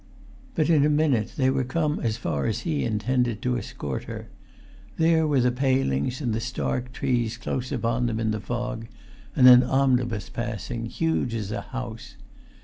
But in a minute they were come as far as he intended to escort her; there were the palings and the stark trees close upon them in the fog; and an omnibus passing, huge as a house.